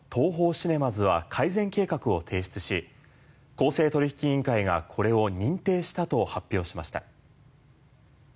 シネマズは改善計画を提出し公正取引委員会がこれを認定したと発表しました。